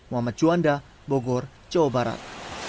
muhammad juanda bogor jawa barat